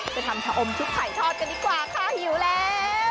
ไปทำชะอมชุบไข่ทอดกันดีกว่าค่ะหิวแล้ว